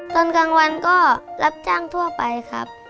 ตอนกลางวันก็รับจ้างทั่วไปครับ